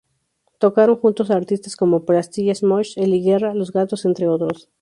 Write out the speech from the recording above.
Tocaron junto a artistas como Plastilina Mosh, Ely Guerra, Los Gatos entre otros.